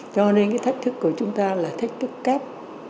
cho nên cái thách thức của chúng ta là thách thức kép